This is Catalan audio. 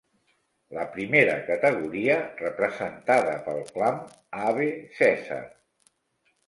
La primera categoria, representada pel clam Ave Cesar!